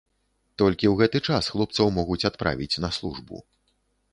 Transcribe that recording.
Толькі ў гэты час хлопцаў могуць адправіць на службу.